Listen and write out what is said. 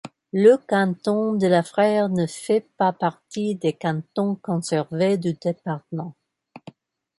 Le canton de La Fère ne fait pas partie des cantons conservés du département.